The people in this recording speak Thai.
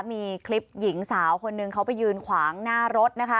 มีคลิปหญิงสาวคนหนึ่งเขาไปยืนขวางหน้ารถนะคะ